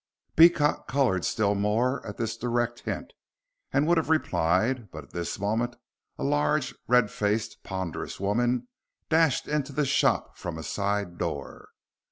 Beecot colored still more at this direct hint, and would have replied, but at this moment a large, red faced, ponderous woman dashed into the shop from a side door.